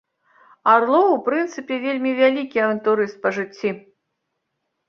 Арлоў у прынцыпе вельмі вялікі авантурыст па жыцці.